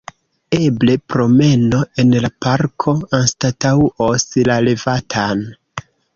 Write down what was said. Eble promeno en la parko anstataŭos la revatan.